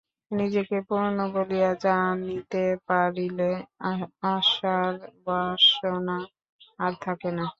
নিজেকে পূর্ণ বলিয়া জানিতে পারিলে অসার বাসনা আর থাকে না।